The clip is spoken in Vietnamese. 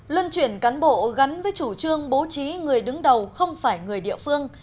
luân chuyển cán bộ gắn với chủ trương bố trí người đứng đầu không phải người địa phương